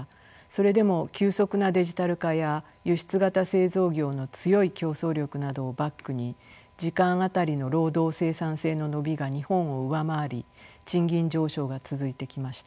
それでも急速なデジタル化や輸出型製造業の強い競争力などをバックに時間当たりの労働生産性の伸びが日本を上回り賃金上昇が続いてきました。